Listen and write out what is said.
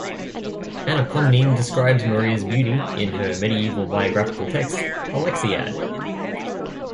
Anna Komnene describes Maria's beauty in her medieval biographical text Alexiad.